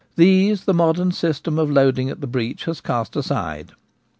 These the modern system of loading at the breech has cast aside.